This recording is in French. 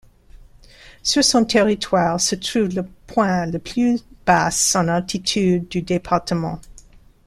Sur son territoire se trouve le point le plus bas en altitude du département.